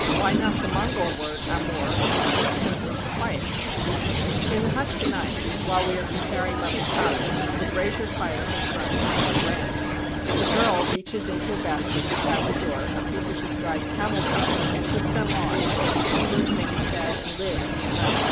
Why not the Mongol word amur, which means simply "quiet"? 196 IN A TARTAR TENT In the hut to night, while we are comparing mother tongues, the brazier fire has burned to red brands. The girl reaches into a basket beside the door for pieces of dried camel dung, and puts them on, that the embers may be fed and live through the night.